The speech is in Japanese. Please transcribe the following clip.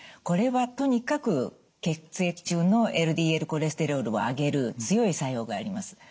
これはとにかく血液中のＬＤＬコレステロールを上げる強い作用があります。